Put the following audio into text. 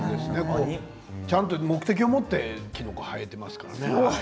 ちゃんと目的を持ってきのこが生えていますからね。